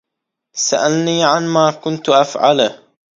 سالني عما كنت افعله?